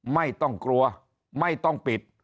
ไม่ต้องกลัวไม่ต้องปิด